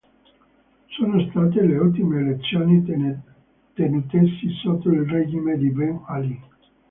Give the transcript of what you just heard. Sono state le ultime elezioni tenutesi sotto il regime di Ben Ali.